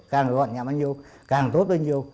càng gọn nhẹo bao nhiêu càng tốt bao nhiêu